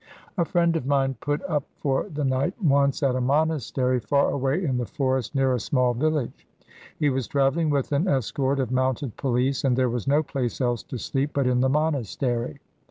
A friend of mine put up for the night once at a monastery far away in the forest near a small village. He was travelling with an escort of mounted police, and there was no place else to sleep but in the monastery.